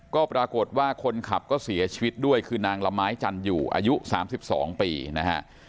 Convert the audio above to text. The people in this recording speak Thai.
ก็ปรากฏว่าคนขับก็เสียชีวิตด้วยคือนางละไม้จันอยู่อายุ๓๒ปีนะฮะ